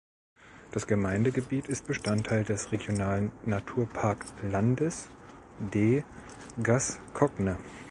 Das Gemeindegebiet ist Bestandteil des Regionalen Naturpark Landes de Gascogne.